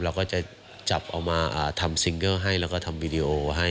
เราก็จะจับเอามาทำซิงเกิลให้แล้วก็ทำวีดีโอให้